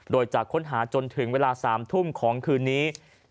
โดยจะค้นหาจนถึงเวลา๓ทุ่มของคืนนี้